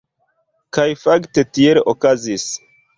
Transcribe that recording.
Kaj fakte tiel okazis.